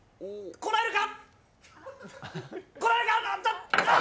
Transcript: こらえるか？